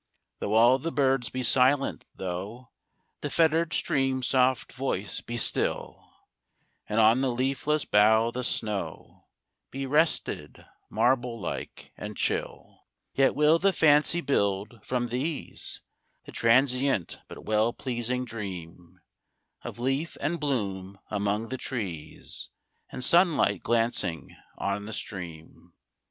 Though all the birds be silent,—thoughThe fettered stream's soft voice be still, And on the leafless bough the snowBe rested, marble like and chill,—Yet will the fancy build, from these, The transient but well pleasing dreamOf leaf and bloom among the trees, And sunlight glancing on the stream.